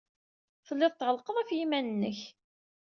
Telliḍ tɣellqeḍ ɣef yiman-nnek.